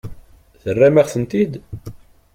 Terram-aɣ-tent-id?